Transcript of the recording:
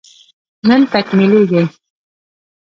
نن تکميلېږي